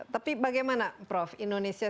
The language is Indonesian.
tapi bagaimana prof indonesia